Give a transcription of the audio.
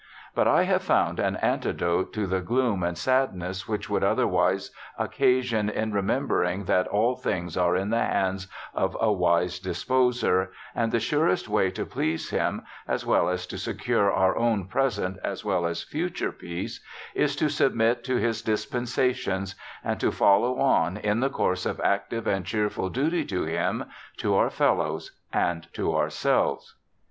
But I have found an antidote to the gloom and sadness which would otherwise occasion in remem bering that all things are in the hands of a Wise Dis poser, and the surest way to please Him, as well as to secure our own present as well as future peace, is to submit to His dispensations and to follow on in the course of active and cheerful duty to Him, to our fellows, and to ourselves.'